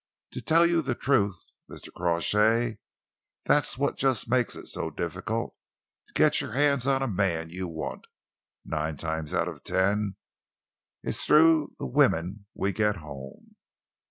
To tell you the truth, Mr. Crawshay, that's just what makes it so difficult to get your hands on a man you want. Nine times out of ten it's through the women we get home.